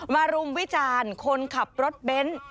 รุมวิจารณ์คนขับรถเบนท์